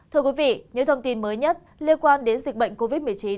thưa quý vị những thông tin mới nhất liên quan đến tình hình covid một mươi chín